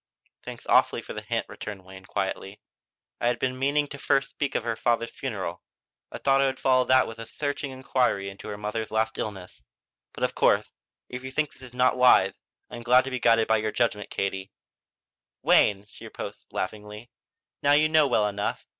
"Thanks awfully for the hint," returned Wayne quietly. "I had been meaning to speak first of her father's funeral. I thought I would follow that with a searching inquiry into her mother's last illness. But of course if you think this not wise I am glad to be guided by your judgment, Katie." "Wayne!" she reproached laughingly. "Now you know well enough!